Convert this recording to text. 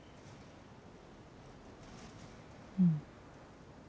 うん。